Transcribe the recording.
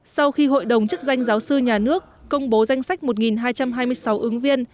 sau khi hội đồng chức danh giáo sư nhà nước công bố danh sách một hai trăm hai mươi sáu ứng viên